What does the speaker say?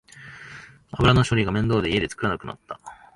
油の処理が面倒で家で作らなくなった